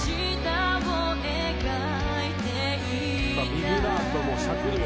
ビブラートもしゃくりも